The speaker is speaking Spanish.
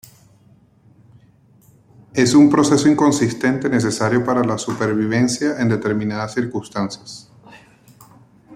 Es un proceso inconsciente necesario para la supervivencia en determinadas circunstancias.